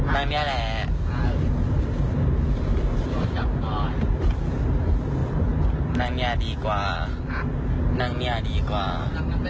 นั่งเนี้ยดีกว่าห้ะนั่งเนี้ยดีกว่านั่งเนี้ยไม่ได้จับเลย